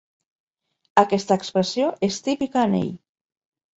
Aquesta expressió és típica en ell.